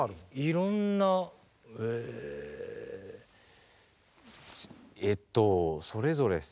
いろんなえっとそれぞれっすね。